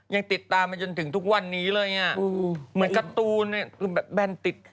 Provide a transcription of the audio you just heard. ยังติดตามมาจนถึงทุกวันนี้เลยอ่ะเหมือนการ์ตูนเนี่ยคือแบบแบนติด